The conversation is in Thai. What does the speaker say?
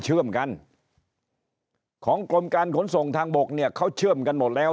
เชื่อมกันของกรมการขนส่งทางบกเนี่ยเขาเชื่อมกันหมดแล้ว